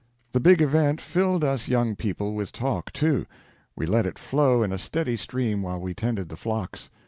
The big event filled us young people with talk, too. We let it flow in a steady stream while we tended the flocks.